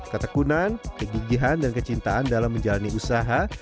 ketekunan kegigihan dan kecintaan dalam menjalani usaha